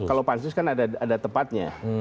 kalau pansus kan ada tepatnya